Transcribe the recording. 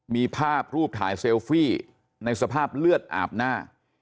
มีภาพรูปถ่ายเซลฟี่ในสภาพเลือดอาบหน้า